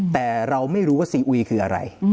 แต่เราไม่รู้ว่าซีอุยคืออะไร